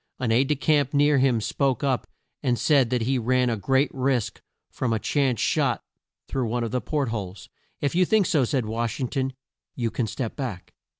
An aide de camp near him spoke up and said that he ran a great risk from a chance shot through one of the port holes. "If you think so," said Wash ing ton, "you can step back."